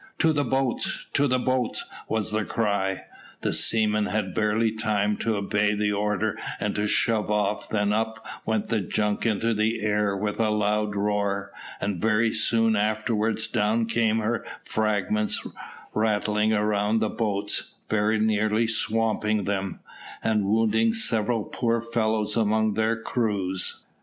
"To the boats! to the boats!" was the cry. The seamen had barely time to obey the order and to shove off than up went the junk into the air with a loud roar, and very soon afterwards down came her fragments rattling around the boats, very nearly swamping them, and wounding several poor fellows among their crews.